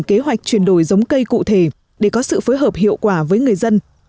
kế hoạch chuyển đổi giống cây cụ thể để có sự phối hợp hiệu quả với người dân